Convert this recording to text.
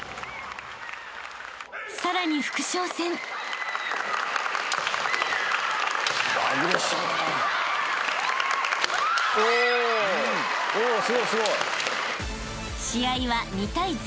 ［さらに副将戦］［試合は２対０］